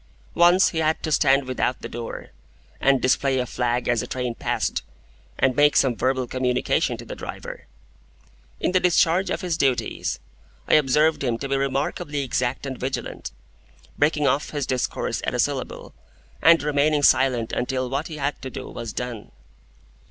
Once he had to stand without the door, and display a flag as a train passed, and make some verbal communication to the driver. In the discharge of his duties, I observed him to be remarkably exact and vigilant, breaking off his discourse at a syllable, and remaining silent until what he had to do was done.